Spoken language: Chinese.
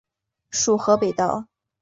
属河北道。